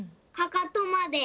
かかとまで？